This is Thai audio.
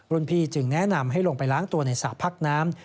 พี่จึงแนะนำให้ลงไปล้างตัวในสระพักน้ำ